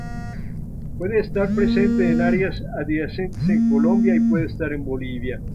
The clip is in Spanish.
Puede estar presente en áreas adyacentes en Colombia y puede estar en Bolivia.